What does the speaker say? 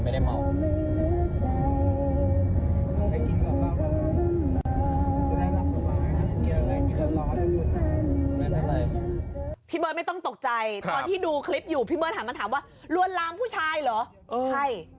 พี่เบิร์ตไม่ต้องตกใจตอนที่ดูคลิปอยู่พี่เบิร์ตหันมาถามว่าลวนลามผู้ชายเหรอใช่